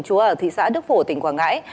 chúa ở thị xã đức phổ tỉnh quảng ngãi